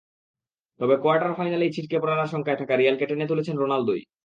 তবে কোয়ার্টার ফাইনালেই ছিটকে পড়ার শঙ্কায় থাকা রিয়ালকে টেনে তুলেছেন রোনালদোই।